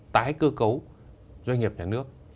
tái cơ cấu doanh nghiệp nhà nước